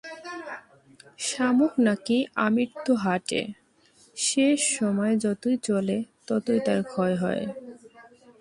শামুক নাকি আমৃত্যু হাঁটে, শেষ সময় যতই চলে ততই তার ক্ষয় হয়।